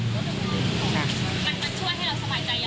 มันช่วยให้เราสบายใจอย่างนี้